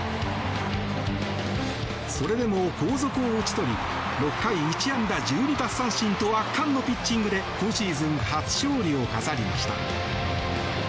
それでも、後続を打ち取り６回１安打１２奪三振と圧巻のピッチングで今シーズン初勝利を飾りました。